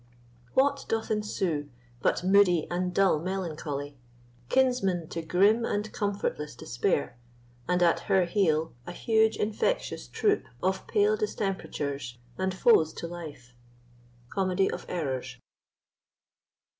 What doth ensue But moody and dull melancholy, Kinsman to grim and comfortless despair, And at her heel, a huge infectious troop Of pale distemperatures, and foes to life? Comedy of Errors.